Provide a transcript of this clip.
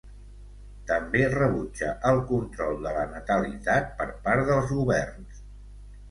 També rebutja el control de la natalitat per part dels governs.